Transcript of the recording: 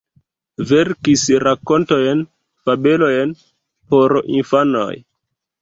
Verkis rakontojn, fabelojn por infanoj.